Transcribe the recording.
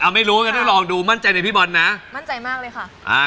ไม่รู้งั้นต้องลองดูมั่นใจในพี่บอลนะมั่นใจมากเลยค่ะอ่า